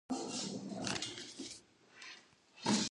Бзу абгъуэм уиӏэбэмэ, ӏэ бэгу мэхъу, жаӏэрт.